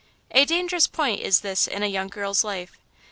A dangerous point is this in a young girl's life.